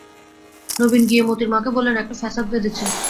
নবীন গিয়ে মোতির মাকে বললে, একটা ফ্যাসাদ বেধেছে।